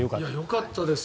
よかったです。